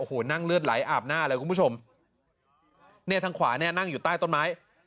โอ้โหนั่งเลือดไหลอาบหน้าเลยคุณผู้ชมเนี่ยทางขวาเนี่ยนั่งอยู่ใต้ต้นไม้